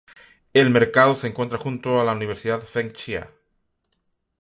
El mercado se encuentra junto a la Universidad Feng Chia.